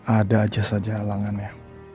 ada saja saja alangannya